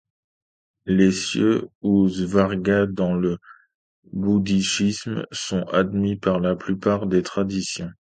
Les Cieux ou svarga dans le bouddhisme sont admis par la plupart des traditions.